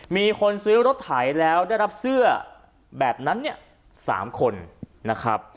มีคนซื้อรถไถแล้วได้รับเสื้อแบบนั้นเนี่ย๓คนนะครับ